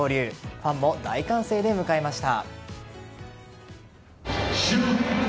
ファンも大歓声で迎えました。